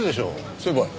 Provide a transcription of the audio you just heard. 先輩。